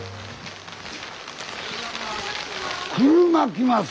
車来ます